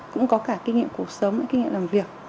cũng có cả kinh nghiệm cuộc sống những kinh nghiệm làm việc